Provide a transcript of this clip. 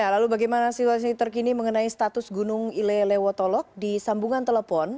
lalu bagaimana situasi terkini mengenai status gunung ilelewotolok di sambungan telepon